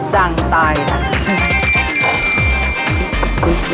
ดังตายนะ